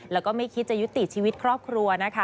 แล้วก็ไม่คิดจะยุติชีวิตครอบครัวนะคะ